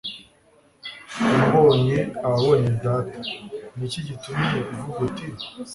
Umbonye ababonye Data niki gitumy uvuguti